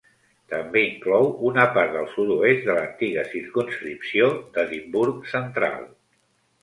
També inclou una part del sud-oest de l'antiga circumscripció d'Edimburg Central.